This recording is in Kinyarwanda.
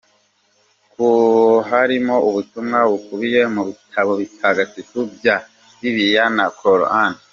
com ko harimo ubutumwa bukubiye mu bitabo bitagatifu bya bibiliya na cor’an.